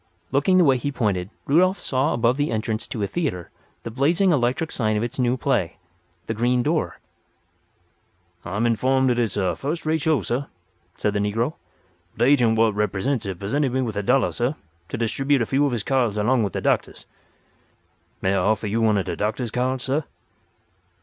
Looking the way he pointed Rudolf saw above the entrance to a theatre the blazing electric sign of its new play, "The Green Door." "I'm informed dat it's a fust rate show, sah," said the negro. "De agent what represents it pussented me with a dollar, sah, to distribute a few of his cards along with de doctah's. May I offer you one of de doctah's cards, sah?"